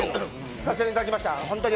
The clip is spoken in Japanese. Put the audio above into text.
させていただきました。